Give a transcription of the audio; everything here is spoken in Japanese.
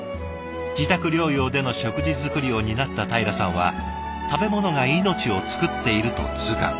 自宅療養での食事作りを担ったたいらさんは食べ物が命をつくっていると痛感。